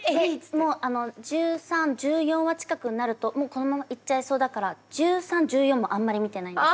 もう１３１４話近くなるともうこのままいっちゃえそうだから１３１４もあんまり見てないんです。